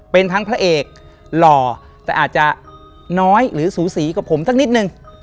เป็นทั้งพระเอกหล่อแต่อาจจะน้อยหรือสูสีกับผมสักนิดนึง